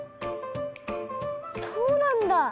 そうなんだ！